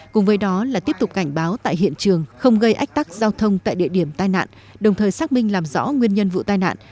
cùng với đó là tiếp tục cảnh báo tại hiện trường không gây ách tắc giao thông tại địa điểm tai nạn đồng thời xác minh làm rõ nguyên nhân vụ tai nạn